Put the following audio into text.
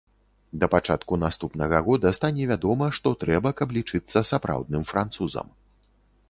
Да пачатку наступнага года стане вядома, што трэба, каб лічыцца сапраўдным французам.